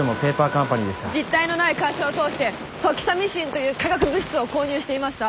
実体のない会社を通してトキサミシンという化学物質を購入していました。